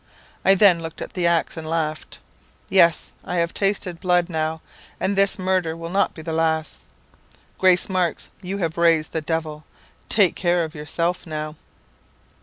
I then looked at the axe and laughed. 'Yes; I have tasted blood now, and this murder will not be the last. Grace Marks, you have raised the devil take care of yourself now!'